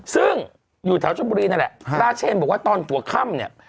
ซึ่งอยู่แถวชนบุรีนั่นแหละราชเชนบอกว่าตอนหัวค่ำเนี่ย